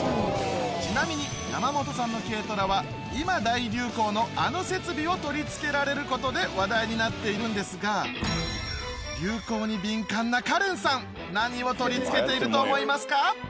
ちなみに山本さんの軽トラは今大流行のあの設備を取り付けられることで話題になっているんですが流行に敏感なカレンさん何を取り付けていると思いますか？